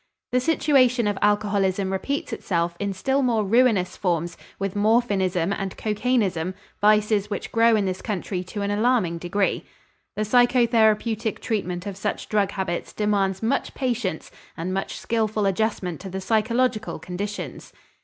The situation of alcoholism repeats itself in still more ruinous forms with morphinism and cocainism, vices which grow in this country to an alarming degree. The psychotherapeutic treatment of such drug habits demands much patience and much skillful adjustment to the psychological conditions.